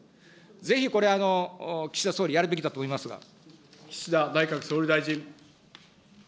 ぜひこれ、岸田総理、やるべきだ岸田内閣総理大臣。